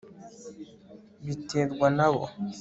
Biterwa na bo